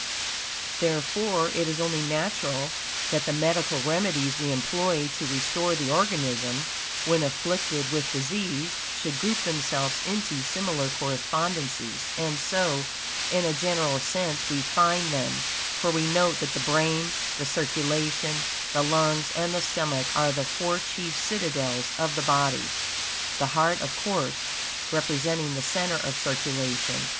Therefore, it is only natural that the medical remedies we employ to restore the organism, when afflicted with disease, should group themselves into similar correspondences, and so, in a general sense, we find them; for we note that the brain, the circulation, the lungs, and the stomach, are the four chief citadels of the body; the heart, of course, representing the center of circulation.